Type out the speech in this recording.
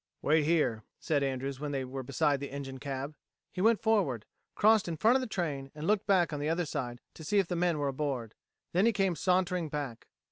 "Wait here," said Andrews when they were beside the engine cab. He went forward, crossed in front of the train and looked back on the other side to see if the men were aboard. Then he came sauntering back.